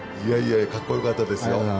かっこよかったですよ。